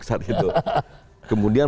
saat itu kemudian